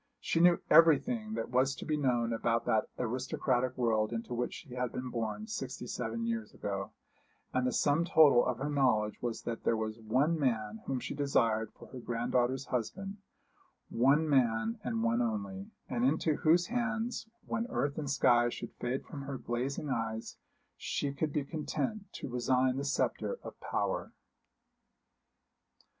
She knew everything that was to be known about that aristocratic world into which she had been born sixty seven years ago; and the sum total of her knowledge was that there was one man whom she desired for her granddaughter's husband one man, and one only, and into whose hands, when earth and sky should fade from her glazing eyes, she could be content to resign the sceptre of power.